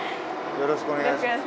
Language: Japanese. よろしくお願いします。